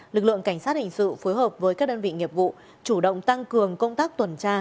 lực lượng cảnh sát hình sự phối hợp với các đơn vị nghiệp vụ chủ động tăng cường công tác tuần tra